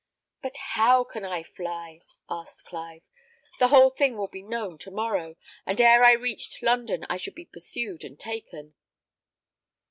"But how can I fly?" asked Clive. "The whole thing will be known to morrow, and ere I reached London I should be pursued and taken."